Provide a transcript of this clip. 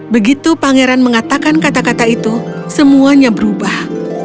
begitu pangeran mengatakan kata kata itu semuanya berubah